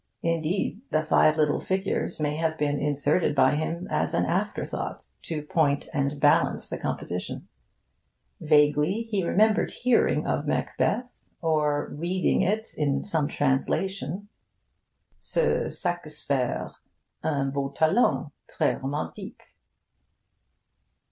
Indeed, the five little figures may have been inserted by him as an afterthought, to point and balance the composition. Vaguely he remembered hearing of Macbeth, or reading it in some translation. Ce Sac espe're...un beau talent...ne' romantique.